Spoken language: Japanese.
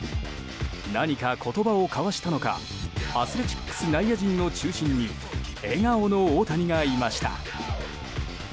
何か言葉を交わしたのかアスレチックス内野陣の中心に笑顔の大谷がいました。